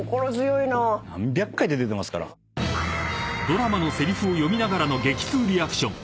［ドラマのせりふを読みながらの激痛リアクション］